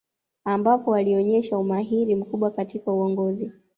Ambapo alionesha umahiri mkubwa katika uongozi